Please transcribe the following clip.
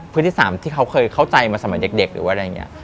ที่๓ที่เขาเคยเข้าใจมาสมัยเด็กหรือว่าอะไรอย่างนี้